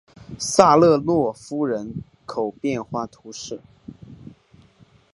萨勒诺夫人口变化图示